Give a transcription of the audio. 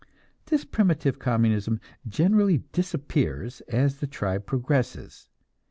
This primitive communism generally disappears as the tribe progresses.